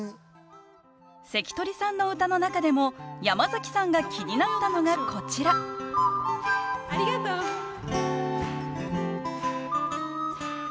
関取さんの歌の中でも山崎さんが気になったのがこちらいやすごい！